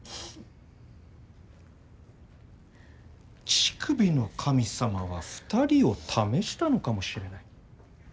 乳首の神様は２人を試したのかもしれない。